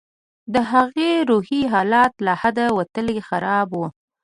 د هغې روحي حالت له حده وتلى خراب و.